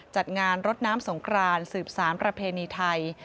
จัดงานรดน้ำสงครานสืบสารประเพณีไทย